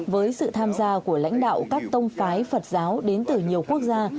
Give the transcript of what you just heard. với sự tham gia của lãnh đạo các tông phái phật giáo đến từ nhiều quốc gia